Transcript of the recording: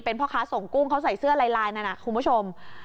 เป็นพ่อค้าส่งกุ้งเขาใส่เสื้อลายนั้นคุณผู้ชม